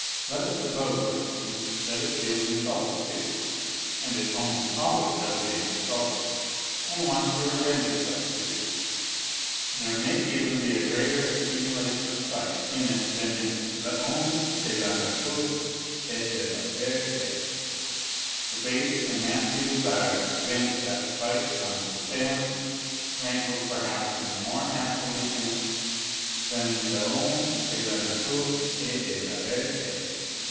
Let us suppose, for instance, that it feels insulted, too (and it almost always does feel insulted), and wants to revenge itself, too. There may even be a greater accumulation NOTES FROM UNDERGROUND 67 of spite in it than in Vhomme de la nature et de la veriU. The base and nasty desire to vent that spite on its assailant rankles perhaps even more nastily in it than in VJiomme de la nature et de la verite.